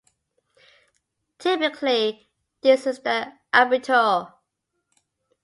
Typically, this is the "Abitur".